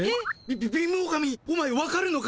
び貧乏神お前わかるのか？